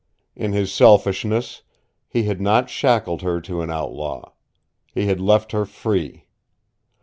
In his selfishness he had not shackled her to an outlaw. He had left her free.